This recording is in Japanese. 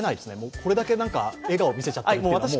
これだけ笑顔を見せちゃっているのは。